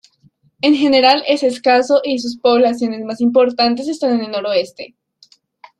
En general es escaso y sus poblaciones más importantes están en el noroeste.